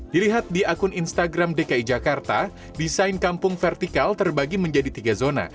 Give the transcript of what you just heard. dilihat di akun instagram dki jakarta desain kampung vertikal terbagi menjadi tiga zona